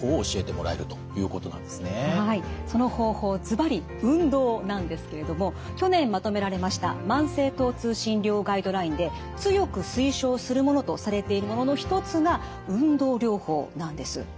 その方法ずばり運動なんですけれども去年まとめられました慢性疼痛診療ガイドラインで強く推奨するものとされているものの一つが運動療法なんです。